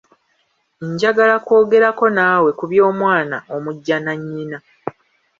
Njagala kwogerako naawe ku by'omwana omujjanannyina.